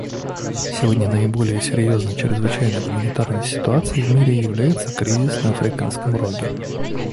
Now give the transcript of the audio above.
Сегодня наиболее серьезной чрезвычайной гуманитарной ситуацией в мире является кризис на Африканском Роге.